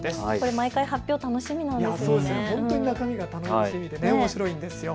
毎回発表、楽しみなんですよね。